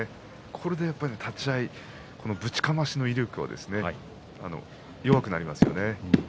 これで立ち合いぶちかましの威力は弱くなりますよね。